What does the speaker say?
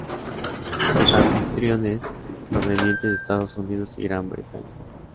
Los anfitriones provenientes de Estados Unidos y Gran Bretaña.